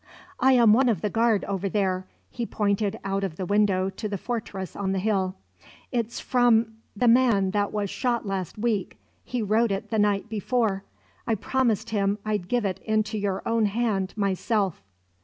"I'm one of the guard over there." He pointed out of the window to the fortress on the hill. "It's from the man that was shot last week. He wrote it the night before. I promised him I'd give it into your own hand myself."